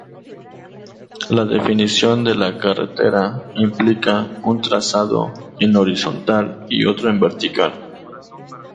La definición de la carretera implica un trazado en horizontal y otro en vertical.